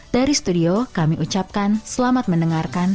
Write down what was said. dari studio kami ucapkan selamat mendengarkan